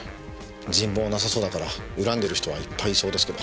人望なさそうだから恨んでる人はいっぱいいそうですけど。